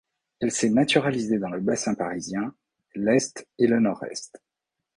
Elle s'est naturalisée dans le Bassin parisien, l'Est et le Nord-Est.